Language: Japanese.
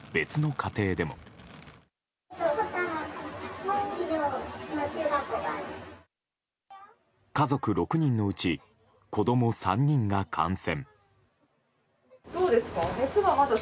家族６人のうち子供３人が感染。